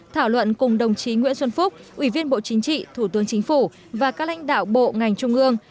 thảo luận cùng đồng chí nguyễn xuân phúc ủy viên bộ chính trị thủ tướng chính phủ và các lãnh đạo bộ ngành trung ương